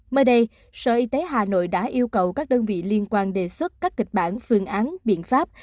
mới đây sở y tế hà nội đã yêu cầu các đơn vị liên quan đề xuất các kịch bản phương án biện pháp